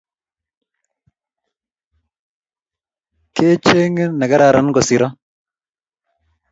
Kechoge negararan kosiro